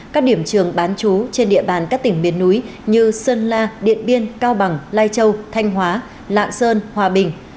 các điểm trường bán chú trên địa bàn các tỉnh miền núi như sơn la điện biên cao bằng lai châu thanh hóa lạng sơn hòa bình